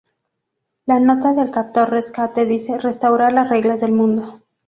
La nota del captor rescate dice "restaurar las reglas del mundo".